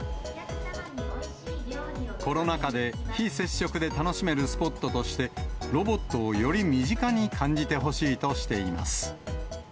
コロナ禍で非接触で楽しめるスポットとして、ロボットをより身近に感じてほしいとしています。